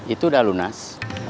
itu udah lunas